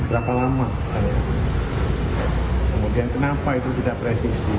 berapa lama kemudian kenapa itu tidak presisi